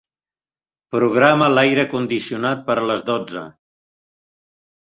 Programa l'aire condicionat per a les dotze.